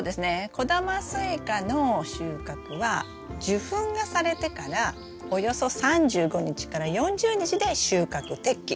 小玉スイカの収穫は受粉がされてからおよそ３５日から４０日で収穫適期です。